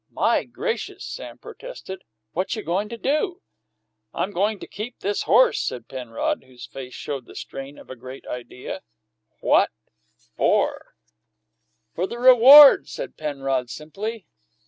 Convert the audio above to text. "My gracious!" Sam protested. "What you goin' to do?" "I'm goin' to keep this horse," said Penrod, whose face showed the strain of a great idea. "What for?" "For the reward," said Penrod simply.